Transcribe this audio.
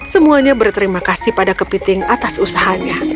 semuanya berterima kasih pada kepiting atas usahanya